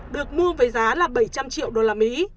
được mua với giá là bảy trăm linh triệu đô la mỹ